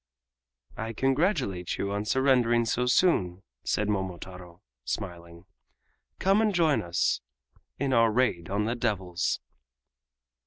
"I congratulate you on surrendering so soon," said Momotaro, smiling. "Come and join us in our raid on the devils."